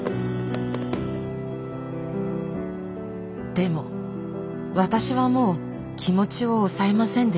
でも私はもう気持ちを抑えませんでした。